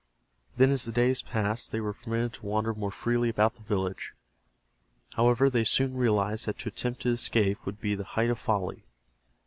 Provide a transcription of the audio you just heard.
Then as the days passed they were permitted to wander more freely about the village. However, they soon realized that to attempt to escape would be the height of folly.